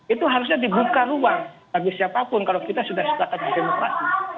itu harusnya dibuka ruang bagi siapapun kalau kita sudah sepakat di demokrasi